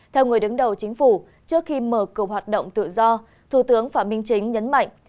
theo người đứng đầu chính phủ trước khi mở cửa hoạt động tự do thủ tướng phạm minh chính nhấn mạnh